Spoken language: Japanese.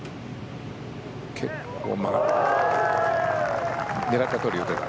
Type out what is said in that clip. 結構曲がって狙ったとおり打てた？